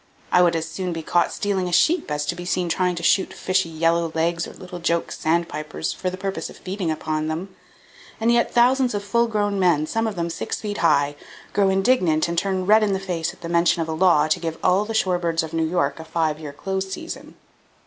I would as soon be caught stealing a sheep as to be seen trying to shoot fishy yellow legs or little joke sandpipers for the purpose of feeding upon them. And yet, thousands of full grown men, some of them six feet high, grow indignant [Page 31] and turn red in the face at the mention of a law to give all the shore birds of New York a five year close season.